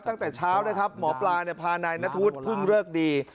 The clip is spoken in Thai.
ตั้งแต่เช้านะครับหมอปลาพานายนัทวุฒิเพิ่งเลิกดี